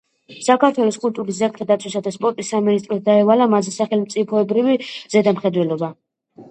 საქართველოს კულტურის, ძეგლთა დაცვისა და სპორტის სამინისტროს დაევალა მასზე სახელმწიფოებრივი ზედამხედველობა.